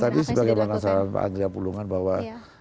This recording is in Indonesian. tadi sebagai penasaran pak anggria pulungan bahwa